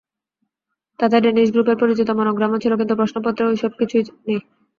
তাতে ড্যানিশ গ্রুপের পরিচিত মনোগ্রামও ছিল কিন্তু প্রশ্নপত্রে ওসব কিছু নেই।